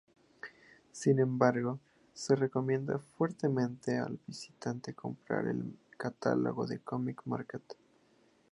Sin embargo, se recomienda fuertemente al visitante comprar el Catálogo del Comic Market.